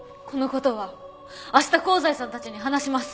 この事は明日香西さんたちに話します。